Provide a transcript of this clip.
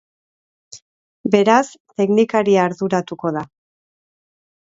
Beraz, teknikaria arduratuko da.